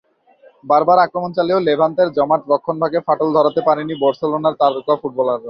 বারবার আক্রমণ চালিয়েও লেভান্তের জমাট রক্ষণভাগে ফাটল ধরাতে পারেননি বার্সেলোনার তারকা ফুটবলাররা।